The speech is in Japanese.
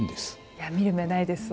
いや見る目ないです